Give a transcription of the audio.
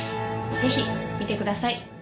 ぜひ見てください。